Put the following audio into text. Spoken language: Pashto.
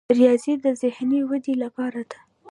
ریاضي د ذهني ودې لپاره ده.